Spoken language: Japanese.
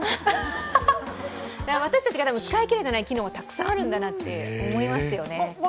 私たちが使い切れてない機能、たくさんあるんだなと思いますよね。